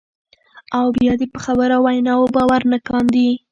او بیا دې په خبرو او ویناوو باور نه کاندي،